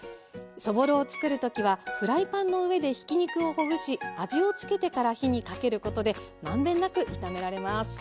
そぼろを作る時はフライパンの上でひき肉をほぐし味をつけてから火にかけることで満遍なく炒められます。